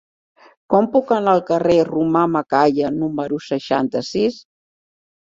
Com puc anar al carrer de Romà Macaya número seixanta-sis?